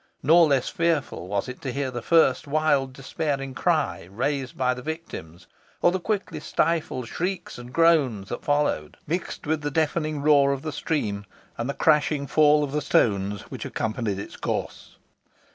Nor less fearful was it to hear the first wild despairing cry raised by the victims, or the quickly stifled shrieks and groans that followed, mixed with the deafening roar of the stream, and the crashing fall of the stones, which accompanied its course.